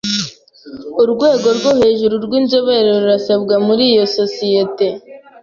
Urwego rwo hejuru rwinzobere rurasabwa muri iyo sosiyete.